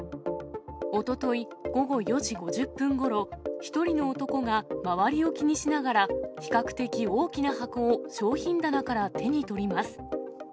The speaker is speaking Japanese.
おととい午後４時５０分ごろ、１人の男が周りを気にしながら比較的大きな箱を商品棚から手に取ります。